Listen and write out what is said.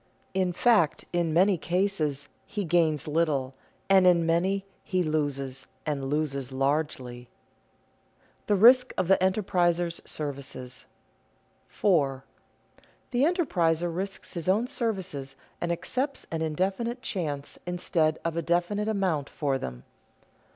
In fact in many cases he gains little, and in many he loses and loses largely. [Sidenote: The risk of the enterpriser's services] 4. _The enterpriser risks his own services and accepts an indefinite chance instead of a definite amount for them.